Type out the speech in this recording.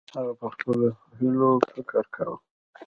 هغه په خپلو هیلو فکر کاوه.